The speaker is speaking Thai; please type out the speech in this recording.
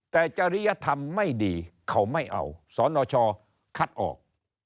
แต่จริยธรรมไม่ดีเขาไม่เอาสนชคัดออก